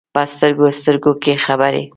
په سترګو، سترګو کې خبرې ،